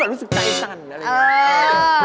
กลับไปก่อนเลยนะครับ